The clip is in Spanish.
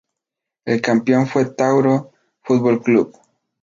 El campeón fue Tauro Fútbol Club.